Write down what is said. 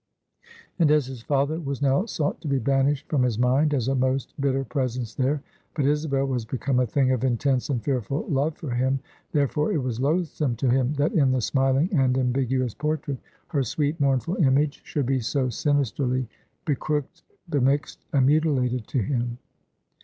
And as his father was now sought to be banished from his mind, as a most bitter presence there, but Isabel was become a thing of intense and fearful love for him; therefore, it was loathsome to him, that in the smiling and ambiguous portrait, her sweet mournful image should be so sinisterly becrooked, bemixed, and mutilated to him.